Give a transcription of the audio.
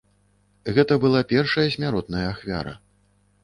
Гэта была першая смяротная ахвяра.